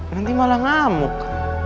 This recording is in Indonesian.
nanti malah ngamuk